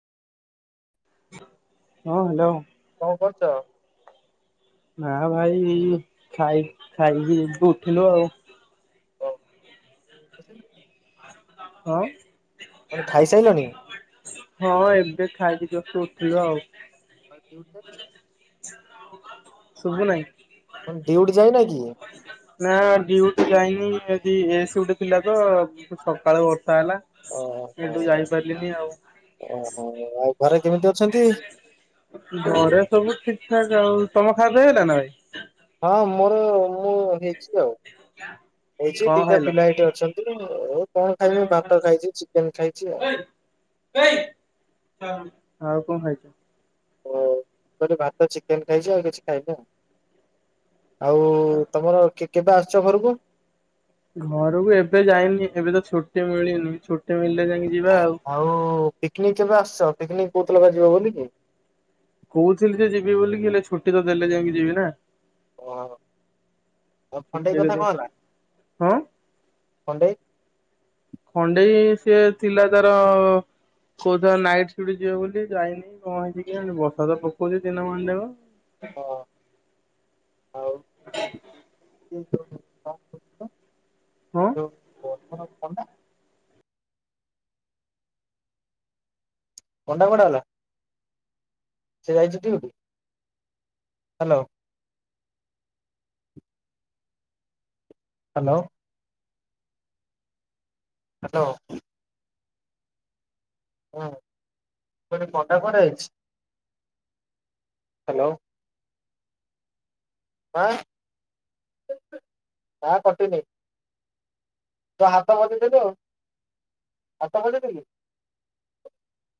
ହଁ ହ୍ୟାଲୋ। କଣ କରୁଛ? ନା ଭାଇ ଏଇ ଖାଇ ଖାଇକି ଏଠୁ ଉଠିଲୁ ଆଉ। [unintelligible] ହଁ। ଆଉ ଖାଇସାଇଲଣି। ହଁ ଏବେ ଖାଇକି ଜଷ୍ଟ ଉଠିଲୁ ଆଉ। [unintelligible] ଶୁଭୁ ନେଇ। ଡିଉଟି ଯାଇ ନା କି? ନା ଡିଉଟି ଯାଇନି ଆଜି ଏ ସିପ୍ଟି ଥିଲା ତ ସକାଳୁ ବର୍ଷା ହେଲା। ସେଠୁ ଓହୋ ଯାଇପାରିଲିନି ଆଉ। ଓହୋ ଆଉ ଘରେ କେମିତି ଅଛନ୍ତି? ଘରେ ସବୁ ଠିକ୍ ଠାକ୍ ଆଉ ତମ ଖା ପିଆ ହେଇ ଗଲା ନା ଭାଇ। ହଁ ମୋର ମୁଁ ହେଇଛି ଆଉ। ହେଇଛି କଣ ଦିଟା ଖାଇଲ? ପିଲା ଏଇଠି ଅଛନ୍ତି ମୁଁ କଣ ଖାଇମି ଭାତ ଖାଇଛି ଚିକେନ ଖାଇଛି ଆଉ। ଆଉ କଣ ଖାଇଚ। ହ ମୁଁ କନି ଭାତ ଚିକେନ ଖାଇଛି ଆଉ କିଛି ଖାଇନି ଆଉ। ଆଉ ତମର କେ କେବେ ଆସୁଛ ଘରକୁ। ଘରକୁ ଏବେ ଯାଇନି ଏବେ ତ ଛୁଟି ମିଳିନି ଛୁଟି ମିଳିଲେ ଯାଇକି ଯିବା ଆଉ। ଆଉ ପିକ୍ନିକ୍ କେବେ ଆସୁଚ ପିକ୍ନିକ୍ କହୁଥିଲ ପା ଯିବ ବୋଲିକି। କହୁଥିଲି ଯେ ଯିବି ବୋଲିକି ହେଲେ ଛୁଟି ତ ଦେଲେ ଯାଇକି ଯିବି ନା। ହଁ ଓ ଖଣ୍ଡେଇ କଥା ଛୁଟି କଣ ହେଲା ହଁ। ଖଣ୍ଡେଇ ଖଣ୍ଡେଇ ସିଏ ଥିଲା ତାର କୋଉ ଥିଲା ନାଇଟ୍ଟ ସିଫ୍ଟି ଯିବ ବୋଲି ଯାଇନି କଣ ହେଇଛି କେଜାଣି ବର୍ଷା ତ ପକଉଛି ଦିନମାନ ଯାକ। ହଁ ଆଉ [unintelligible] ହଁ। ବର୍ଷାର ଥଣ୍ଡା ପଣ୍ଡା କୁଆଡେ ଗଲା। ସେ ଯାଇଛି ଡ୍ୟୁଟି ହ୍ୟାଲୋ। ହ୍ୟାଲୋ। ହାଲୋ। ହୁଁ ମୁଁ କଇନି ପଣ୍ଡା କୁଆଡେ ଯାଇଛି ହ୍ୟାଲୋ। ଆଁ ନା କଟିିନେଇ। ତୁ ହାତ ବଜେଇଦେଲୁ ହାତ ଵଜେଇଦେଲୁ।